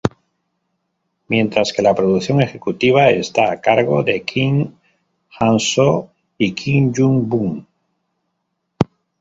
Mientras que la producción ejecutiva está a cargo de Kim Han-soo y Kim Young-bum.